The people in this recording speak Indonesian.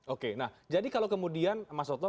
oke nah jadi kalau kemudian mas otto